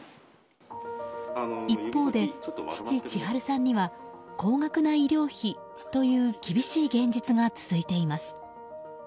一方で父・智春さんには高額な医療費という厳しい現実が続いています。